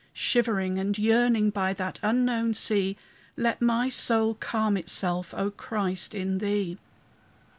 Shivering and yearning by that unknown sea, Let my soul calm itself, O Christ, in thee!